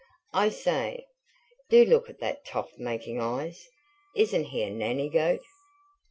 "I say, do look at that toff making eyes. Isn't he a nanny goat."